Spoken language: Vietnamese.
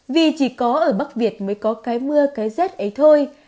vì chỉ có ở bắc việt mới có cái mưa cái rét ấy thôi